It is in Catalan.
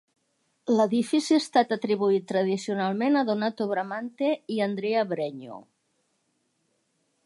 L'edifici ha estat atribuït tradicionalment a Donato Bramante i Andrea Bregno.